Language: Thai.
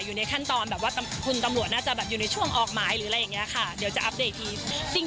อยู่ในขั้นตอนแบบว่าคุณตำรวจน่าจะแบบอยู่ในช่วงออกหมายหรืออะไรอย่างนี้ค่ะเดี๋ยวจะอัปเดตอีกที